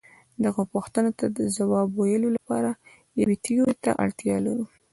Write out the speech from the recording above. دغو پوښتنو ته ځواب ویلو لپاره یوې تیورۍ ته اړتیا لرو.